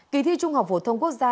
kỳ thi trung học phổ thông quốc gia